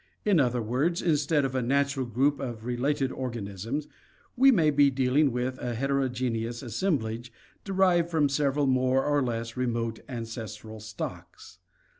In other words, instead of a natural group of related organisms, we may be dealing with a heterogeneous assemblage derived from several more or less remote ancestral stocks.